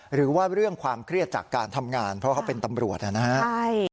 หรือว่าเรื่องความเครียดจากการทำงานเพราะเขาเป็นตำรวจนะครับ